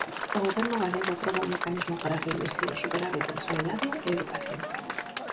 O Goberno galego aproba un mecanismo para reinvestir o superávit en Sanidade e Educación.